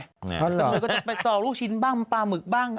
บ๋อยก็จะตัดไปส่องลูกชิ้นบ้างปลาหมึกบ้าง